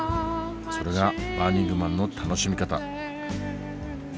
それがバーニングマンの楽しみ方。